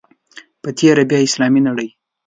په تېره بیا اسلامي نړۍ.